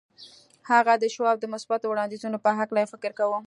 هغه د شواب د مثبتو وړانديزونو په هکله يې فکر کاوه.